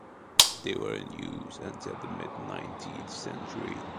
They were in use until the mid-nineteenth century.